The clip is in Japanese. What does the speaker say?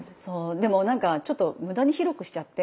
でもなんかちょっと無駄に広くしちゃって。